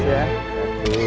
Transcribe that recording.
datang dobrze ya